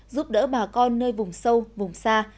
giúp đỡ bà con nơi vùng sâu vùng xa